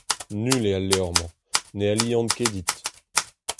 Null eo al levr-mañ, ne alian ket dit.